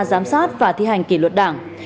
giám sát và thi hành kỷ luật đảng